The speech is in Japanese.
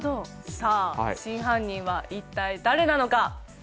さあ真犯人はいったい誰なのか。